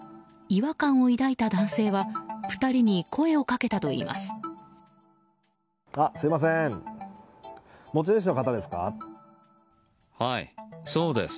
違和感を抱いた男性は２人に声をかけたといいます。